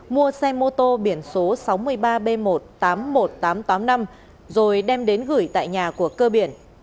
mua xe mô tô biển số sáu mươi ba b một trăm tám mươi một nghìn tám trăm tám mươi năm rồi đem đến gửi tại nhà của cơ biển